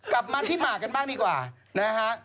กลับมาที่หมากกันบ้างดีกว่านะฮะ